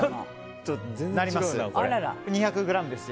２００ｇです。